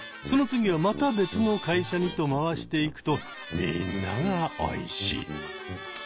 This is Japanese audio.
その次はまた別の会社にと回していくとみんながおいしい。